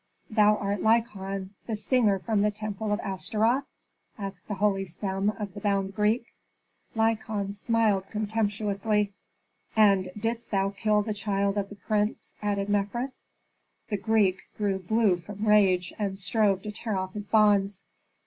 "Thou art Lykon, the singer from the temple of Astaroth?" asked the holy Sem of the bound Greek. Lykon smiled contemptuously. "And didst thou kill the child of the prince?" added Mefres. The Greek grew blue from rage, and strove to tear off his bonds.